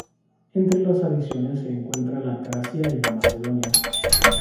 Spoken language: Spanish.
Entre las adiciones se encuentra la Tracia y la Macedonia.